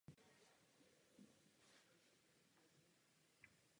Přesto zde hovoříme o reálném nasazení vojenského loďstva.